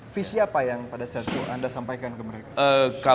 visi apa yang pada saat itu anda sampaikan ke mereka